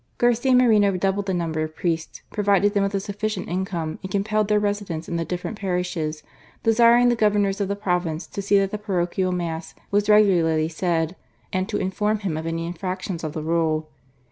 Garcia Moreno doubled the number of priests, provided them with a sufficient income, and compelled their residence in the different parishes, desiring the Governors of the province to see that the parochial Mass was regularly said, and to inform him of any infractions of the rule.